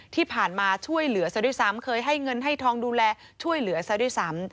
ที่ผ่านมาช่วยเหลือซะด้วยซ้ำเคยให้เงินให้ทองดูแลช่วยเหลือซะด้วยซ้ำ